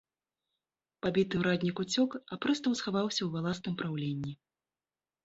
Пабіты ураднік уцёк, а прыстаў схаваўся ў валасным праўленні.